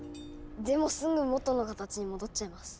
でもすぐ元の形に戻っちゃいます。